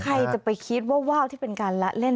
ใครจะไปคิดว่าว่าวที่เป็นการละเล่น